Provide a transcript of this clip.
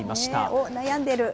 おっ、悩んでる。